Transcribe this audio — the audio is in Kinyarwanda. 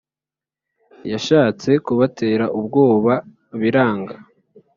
Yashatse kubatera ubwoba biranga.